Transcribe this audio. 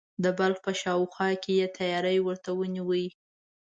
د بلخ په شاوخوا کې یې تیاری ورته ونیوی.